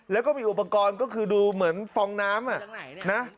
แล้วก็มีอุปกรณ์ก็คือดูเหมือนฟองน้ำนะ